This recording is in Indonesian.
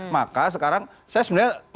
maka sekarang saya sebenarnya